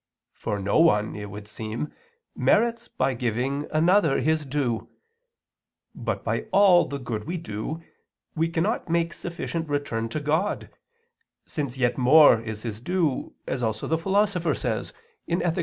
For no one, it would seem, merits by giving another his due. But by all the good we do, we cannot make sufficient return to God, since yet more is His due, as also the Philosopher says (Ethic.